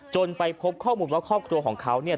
ไปพบข้อมูลว่าครอบครัวของเขาเนี่ย